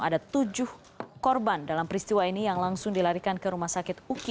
ada tujuh korban dalam peristiwa ini yang langsung dilarikan ke rumah sakit uki